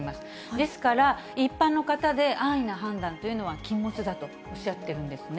ですから、一般の方で安易な判断というのは禁物だとおっしゃってるんですね。